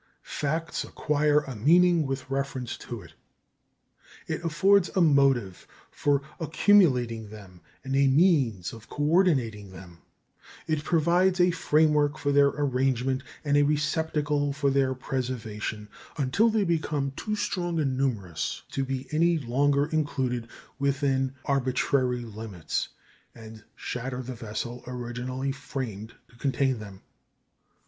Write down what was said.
Facts acquire a meaning with reference to it. It affords a motive for accumulating them and a means of co ordinating them; it provides a framework for their arrangement, and a receptacle for their preservation, until they become too strong and numerous to be any longer included within arbitrary limits, and shatter the vessel originally framed to contain them.